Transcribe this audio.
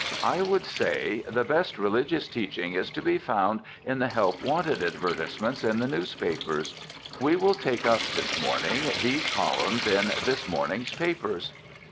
I would say: "The best religious teaching is to be found in the help wanted advertisements in the newspapers. We will take up this morning these columns in this morning's papers."